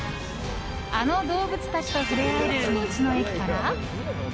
あの動物たちと触れ合える道の駅から。